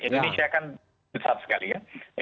indonesia kan besar sekali ya